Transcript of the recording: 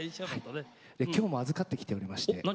きょうも預かってきております。